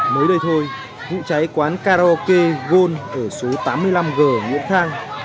mới đây thôi vụ cháy quán karaoke gold ở số tám mươi năm g nguyễn khang